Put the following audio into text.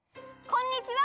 こんにちは！